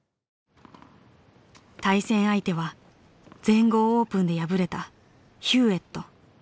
対戦相手は全豪オープンで敗れたヒューウェット。